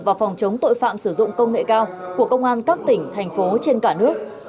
và phòng chống tội phạm sử dụng công nghệ cao của công an các tỉnh thành phố trên cả nước